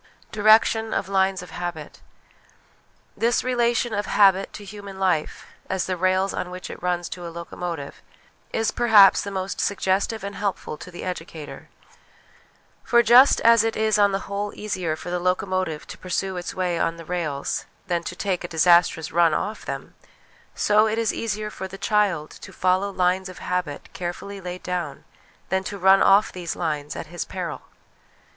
Direction of Lines of Habit. This relation of habit to human life as the rails on which it runs to a locomotive is perhaps the most suggestive and helpful to the educator ; for just as it is on the whole easier for the locomotive to pursue its way on the rails than to take a disastrous run off them, so it is easier for the child to follow lines of habit carefully laid dovn than to run off these lines at his peril.